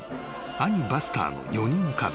兄バスターの４人家族］